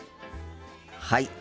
はい。